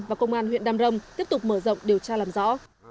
và công an huyện đam rồng tiếp tục mở rộng điều tra làm rõ